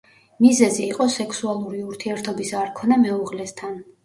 მიზეზი იყო სექსუალური ურთიერთობის არ ქონა მეუღლესთან.